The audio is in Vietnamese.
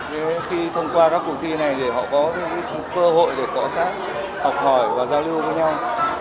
thế khi thông qua các cuộc thi này để họ có thêm cơ hội để cọ sát học hỏi và giao lưu với nhau